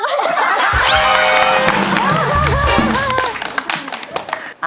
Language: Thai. เฮ้อโอเค